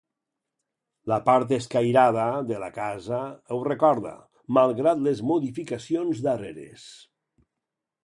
La part escairada de la casa ho recorda, malgrat les modificacions darreres.